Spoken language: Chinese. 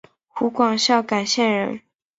湖广孝感县人。